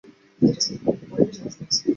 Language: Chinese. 本区议席一直为保守党控制。